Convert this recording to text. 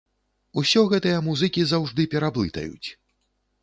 Усё гэтыя музыкі заўжды пераблытаюць!